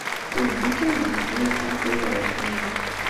D Dick ay d-yesnulfan tagrawt-nni.